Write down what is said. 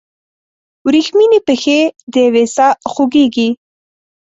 وریښمینې پښې دیوې ساه خوږیږي